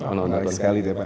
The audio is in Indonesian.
menarik sekali ya pak